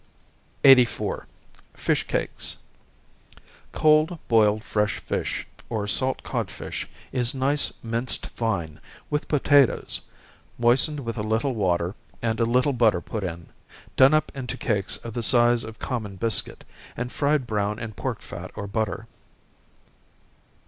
84. Fish Cakes. Cold boiled fresh fish, or salt codfish, is nice minced fine, with potatoes, moistened with a little water, and a little butter put in, done up into cakes of the size of common biscuit, and fried brown in pork fat or butter.